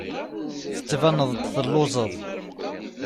Tettbaneḍ-d telluẓeḍ.